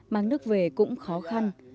mang nước về cũng khó khăn